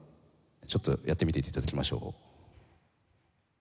ちょっとやってみて頂きましょう。